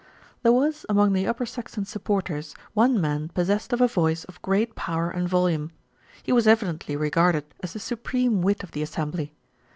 There was among the Upper Saxton supporters one man possessed of a voice of great power and volume. He was evidently regarded as the supreme wit of the assembly.